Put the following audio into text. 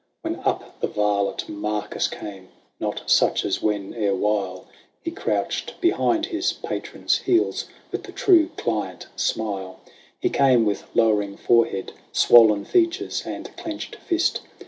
When up the varlet Marcus came ; not such as when ere while He crouched behind his patron's heels with the true client smile : He came with lowering forehead, swollen features, and clenched fist.